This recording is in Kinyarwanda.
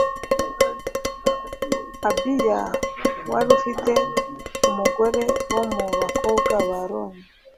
abiya wari ufite umugore wo mu bakobwa ba aroni